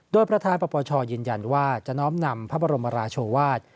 โดยประธานปปชยืนยันว่าจะน้อมนำพระบรมราชวาส